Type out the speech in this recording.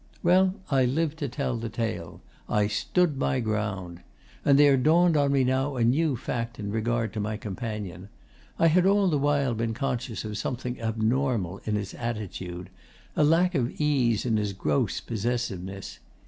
'Well, I live to tell the tale. I stood my ground. And there dawned on me now a new fact in regard to my companion. I had all the while been conscious of something abnormal in his attitude a lack of ease in his gross possessiveness.